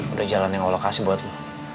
udah jalan yang allah kasih buat lo